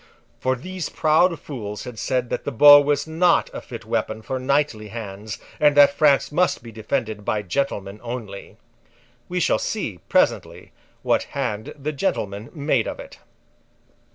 For these proud fools had said that the bow was not a fit weapon for knightly hands, and that France must be defended by gentlemen only. We shall see, presently, what hand the gentlemen made of it.